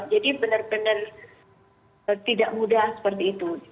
jadi bener bener tidak mudah seperti itu